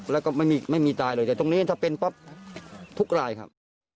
แล้วก็ไม่มีตายเลยแต่ตรงนี้ถ้าเป็นปั๊บทุกรายครับ